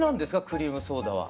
クリームソーダは。